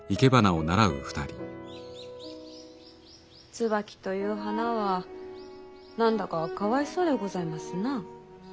椿という花は何だかかわいそうでございますなぁ。